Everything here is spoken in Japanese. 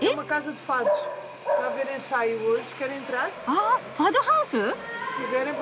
あファドハウス！？